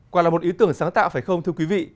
quả là một ý tưởng sáng tạo phải không thưa quý vị